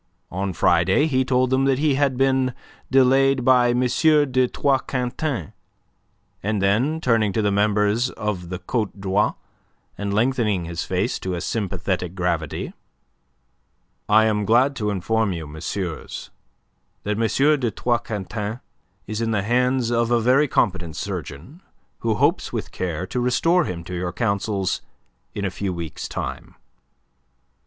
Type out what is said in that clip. On Friday he told them that he had been delayed by M. de Troiscantins, and then turning to the members of the Cote Droit, and lengthening his face to a sympathetic gravity: "I am glad to inform you, messieurs, that M. des Troiscantins is in the hands of a very competent surgeon who hopes with care to restore him to your councils in a few weeks' time."